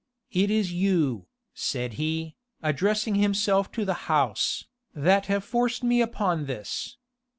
It is you," said he, addressing himself to the house, "that have forced me upon this.